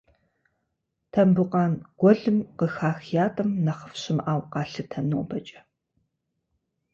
Тамбукъан гуэлым къыхах ятӏэм нэхъыфӏ щымыӏэу къалъытэ нобэкӏэ.